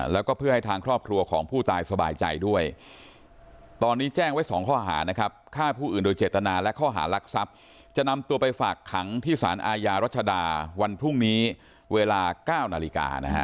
แล้วก็คงอยู่ที่เดิม